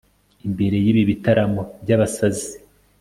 imbere yibi bitaramo byabasazi